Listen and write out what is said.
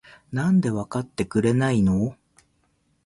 なんでわかってくれないの？？